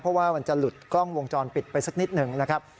เพราะว่ามันจะหลุดกล้องวงจรปิดไปสักนิดหนึ่งนะครับ